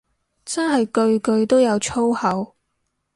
真係句句都有粗口